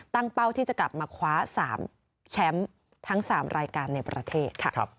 เป้าที่จะกลับมาคว้า๓แชมป์ทั้ง๓รายการในประเทศค่ะ